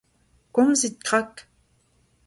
komzit krak.